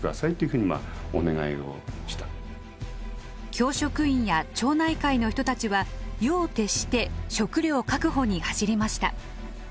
教職員や町内会の人たちは夜を徹して食料確保に走りました。